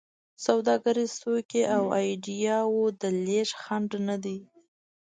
سوداګریز توکي او ایډیاوو د لېږد خنډ نه دی.